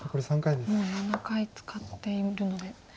もう７回使っているので。